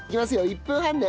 １分半ね。